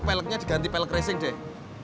peleknya diganti pelek racing deh